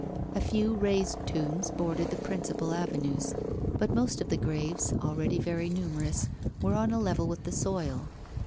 A few raised tombs bordered the principal avenues, but most of the graves, already very numerous, were on a level with the soil.